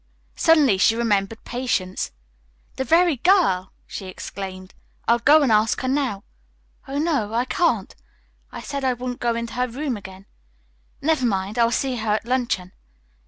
Suddenly she remembered Patience. "The very girl!" she exclaimed. "I'll go and ask her now. Oh, no, I can't. I said I wouldn't go into her room again. Never mind, I will see her at luncheon."